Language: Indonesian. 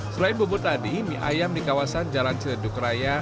selain bubur tadi mie ayam di kawasan jalan ciledug raya